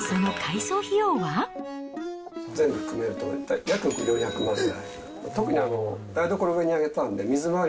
全部含めると、約４００万円ぐらい。